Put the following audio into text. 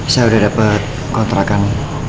saya sudah dapat kontrakan